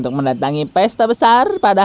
tentangan masih ada